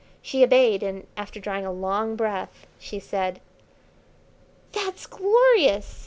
She obeyed, and, after drawing a long breath, she said: "That's glorious!